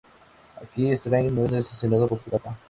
Aquí, Strange no es asesinado con su capa.